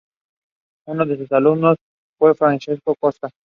Uno de sus alumnos fue Francesco Costa.